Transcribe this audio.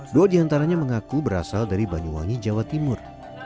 dua di antaranya mengaku berasal dari banyuwangi jawa timur